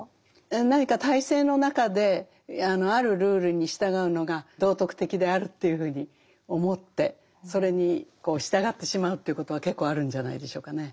何か体制の中であるルールに従うのが道徳的であるというふうに思ってそれに従ってしまうということは結構あるんじゃないでしょうかね。